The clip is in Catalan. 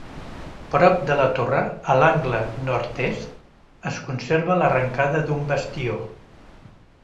Prop de la torre, a l'angle nord-est, es conserva l'arrencada d'un bastió.